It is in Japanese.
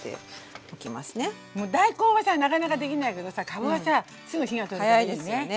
もう大根はさなかなかできないけどさかぶはさすぐ火が通るからいいね。